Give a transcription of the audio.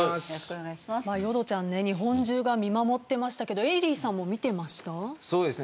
淀ちゃんは日本中が見守っていましたけどＥＬＬＹさんも見ていましたか。